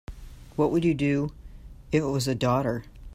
What would you do if it was a daughter?